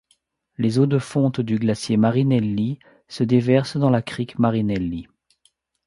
Les eaux de fonte du glacier Marinelli se déversent dans la crique Marinelli.